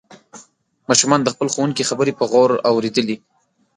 ماشومانو د خپل ښوونکي خبرې په غور اوریدلې.